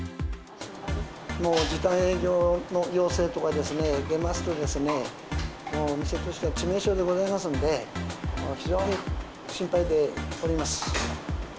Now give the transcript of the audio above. もう時短営業の要請とか出ますとですね、店としては致命傷でございますので、非常に心配でおります。